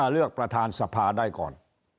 เลือกประธานสภาได้ก่อน